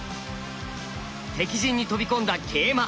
敵陣に飛び込んだ桂馬。